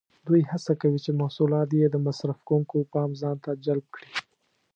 دوی هڅه کوي چې محصولات یې د مصرف کوونکو پام ځانته جلب کړي.